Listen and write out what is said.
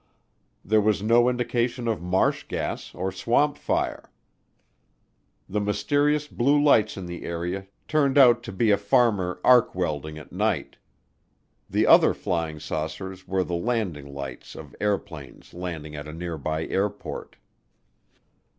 There was no indication of marsh gas or swamp fire. The mysterious blue lights in the area turned out to be a farmer arc welding at night. The other flying saucers were the landing lights of airplanes landing at a nearby airport.